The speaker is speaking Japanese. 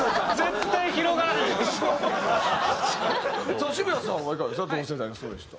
さあ渋谷さんはいかがですか？